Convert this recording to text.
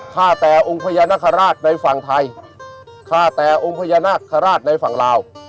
ข้าแต่องค์พระยานัครราชในฝั่งไทยข้าแต่องค์พระยานัครราชในฝั่งลาว